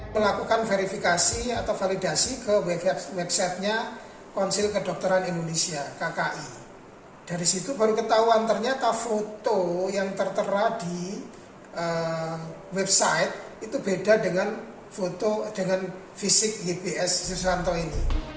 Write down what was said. menurut ketahuan ternyata foto yang tertera di website itu beda dengan foto dengan fisik gps susanto ini